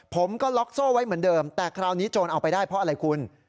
ผมก็ล็อกโซ่ไว้เหมือนเดิมแต่คราวนี้โจรเอาไปได้เพราะอะไรคุณ